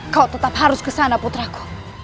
kau tetap harus ke sana putraku